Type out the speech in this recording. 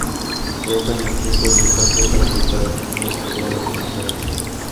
Roca en los tiempos de estancia, para preparar comidas con todos esos manjares.